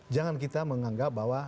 jangan kita menganggap bahwa